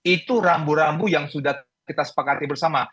itu rambu rambu yang sudah kita sepakati bersama